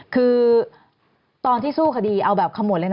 คือตอนที่สู้คดีเอาแบบขมวดเลยนะ